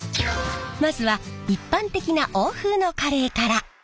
まずは一般的な欧風のカレーから。